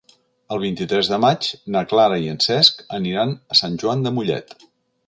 El vint-i-tres de maig na Clara i en Cesc aniran a Sant Joan de Mollet.